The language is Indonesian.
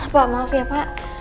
pak maaf ya pak